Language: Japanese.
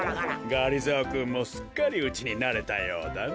がりぞーくんもすっかりうちになれたようだね。